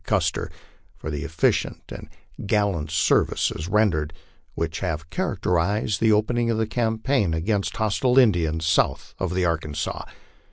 Custer, for the efficient and gallant services rendered, which have characterised the opening of the campaign against hostile Indians south of the Arkansas.